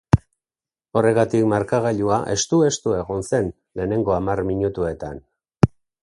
Horregaitik markagailua estu-estu egon zen lehenengo hamar minutuetan.